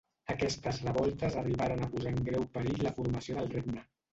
Aquestes revoltes arribaren a posar en greu perill la formació del regne.